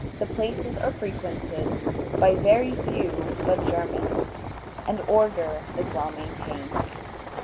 The places are frequented by very few but Germans, and order is well maintained.